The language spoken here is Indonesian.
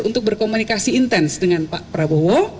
untuk berkomunikasi intens dengan pak prabowo